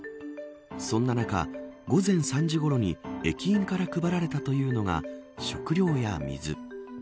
そんな中、午前３時ごろに駅員から配られたというのが食料や水。